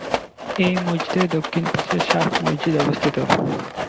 এই মসজিদের দক্ষিণ পাশে শাহ মসজিদ অবস্থিত।